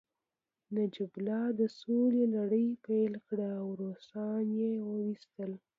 نجیب الله د سولې لړۍ پیل کړه او روسان يې وويستل